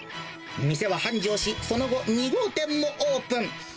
店は繁昌し、その後、２号店もオープン。